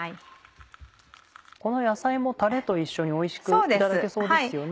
この野菜もたれと一緒においしくいただけそうですよね。